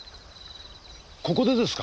ここでですか？